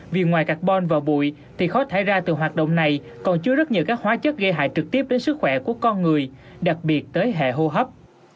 vì ngoài carbon và bụi thì khó thải ra từ hoạt động này còn chứa rất nhiều các hóa chất gây hại trực tiếp đến sức khỏe của con người đặc biệt tới hệ hô hấp